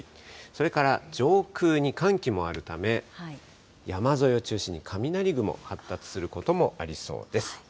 それから上空に寒気もあるため、山沿いを中心に雷雲、発達することもありそうです。